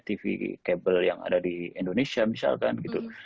tv kabel yang ada di indonesia misalkan gitu